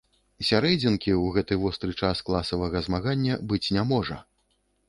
Сярэдзінкі ў гэты востры час класавага змагання быць не можа!